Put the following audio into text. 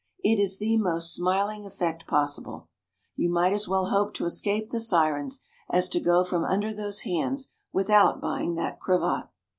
It is the most smiling effect possible!" You might as well hope to escape the sirens, as to go from under those hands without buying that cravat.